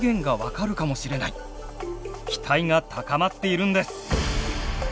期待が高まっているんです。